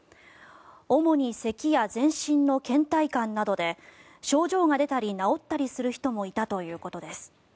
主にせきや全身のけん怠感などで症状が出たり治ったりする人もいたということです。